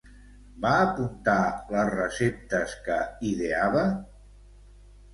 Va apuntar les receptes que ideava?